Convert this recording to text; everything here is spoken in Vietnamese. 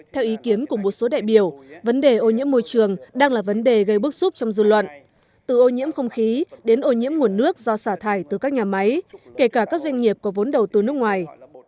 theo ý kiến của một số đại biểu vấn đề ô nhiễm môi trường đang là vấn đề gây bức xúc trong dư luận từ ô nhiễm không khí đến ô nhiễm nguồn nước do xả thải từ các nhà máy kể cả các doanh nghiệp có vốn đầu tư nước ngoài